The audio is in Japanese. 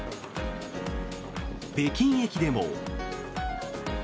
北京駅でも。